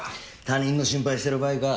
他人の心配してる場合か？